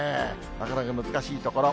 なかなか難しいところ。